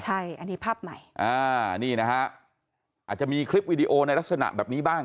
ใช่อันนี้ภาพใหม่อ่านี่นะฮะอาจจะมีคลิปวิดีโอในลักษณะแบบนี้บ้าง